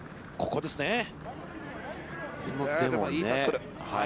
ここですね。